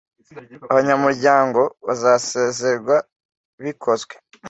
Abanyamuryango bazasezererwa bikozwe